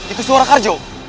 itu suara karjo